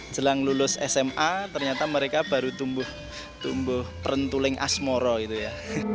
jelang lulus sma ternyata mereka baru tumbuh perentuling asmoro gitu ya